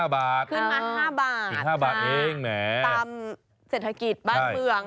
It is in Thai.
๒๕บาทขึ้นมา๕บาทเองแม่ค่ะตามเศรษฐกิจบ้านเมือง